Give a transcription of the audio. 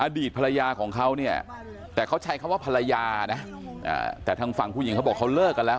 อดีตภรรยาของเขาเนี่ยแต่เขาใช้คำว่าภรรยานะแต่ทางฝั่งผู้หญิงเขาบอกเขาเลิกกันแล้ว